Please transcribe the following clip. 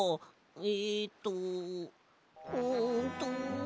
えっとうんと。